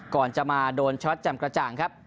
ก่อนจะมาโดนช็อตแจ่มกระจ่างครับ